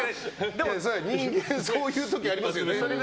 でも人間そういう時ありますよね。